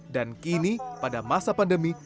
dan kini pada masa pandemi